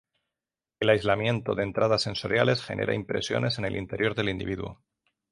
El aislamiento de entradas sensoriales genera impresiones en el interior del individuo.